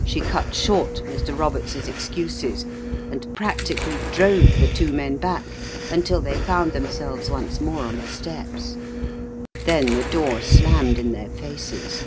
She cut short Mr. Roberts's excuses and practically drove the two men back until they found themselves once more on the steps. Then the door slammed in their faces.